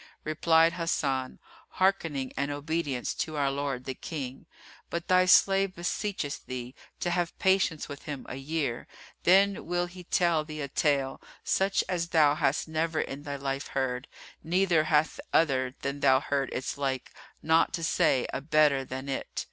Replied Hasan, "Hearkening and obedience to our lord the King! But thy slave beseecheth thee to have patience with him a year; then will he tell thee a tale, such as thou hast never in thy life heard, neither hath other than thou heard its like, not to say a better than it."